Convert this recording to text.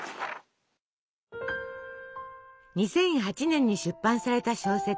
２００８年に出版された小説